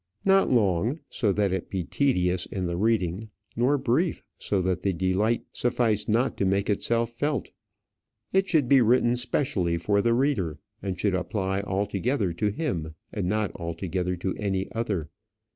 Not long, so that it be tedious in the reading; nor brief, so that the delight suffice not to make itself felt. It should be written specially for the reader, and should apply altogether to him, and not altogether to any other.